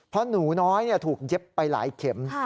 เพราะหนูน้อยถูกเย็บไปหลายเข็ม